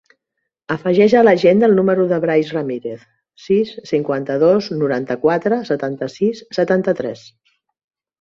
Afegeix a l'agenda el número del Brais Ramirez: sis, cinquanta-dos, noranta-quatre, setanta-sis, setanta-tres.